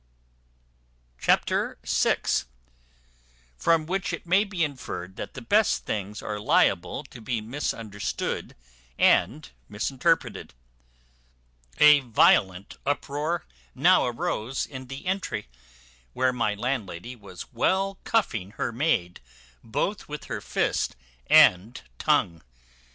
Chapter vi. From which it may be inferred that the best things are liable to be misunderstood and misinterpreted. A violent uproar now arose in the entry, where my landlady was well cuffing her maid both with her fist and tongue.